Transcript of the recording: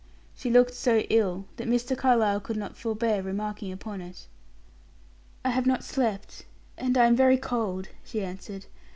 She looked so ill that Mr. Carlyle could not forbear remarking upon it. "I have not slept, and I am very cold," she answered.